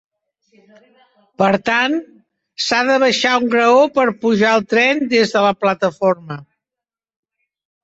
Per tant, s'ha de baixar un graó per pujar al tren des de la plataforma.